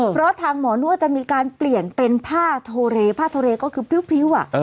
เพราะทางหมอนวดจะมีการเปลี่ยนเป็นผ้าโทเรผ้าโทเรก็คือพริ้ว